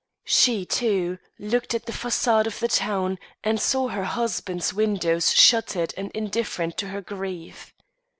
She, too, looked at the façade of the town and saw her husband's windows shuttered and indifferent to her grief.